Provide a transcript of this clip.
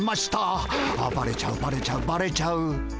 ああバレちゃうバレちゃうバレちゃう。